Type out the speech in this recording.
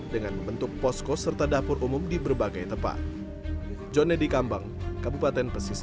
dengan membentuk posko serta dapur umum di berbagai tempat